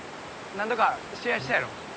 何度か試合したやろ？